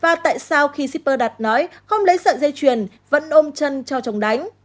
và tại sao khi shipper đặt nói không lấy sợi dây chuyền vẫn ôm chân cho chồng đánh